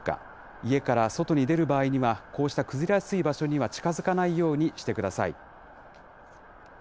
家から外に出る場合には、こうした崩れやすい場所には近づかないようにしてください。